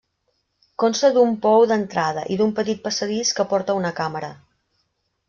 Consta d'un pou d'entrada i d'un petit passadís que porta a una càmera.